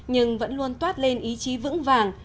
nhưng vẫn luôn toát lên ý chí vững vàng